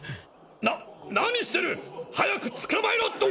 なっ何してる！早く捕まえろ！